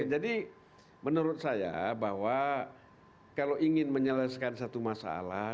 jadi menurut saya bahwa kalau ingin menyelesaikan satu masalah